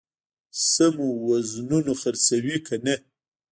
سمو وزنونو خرڅوي کنه.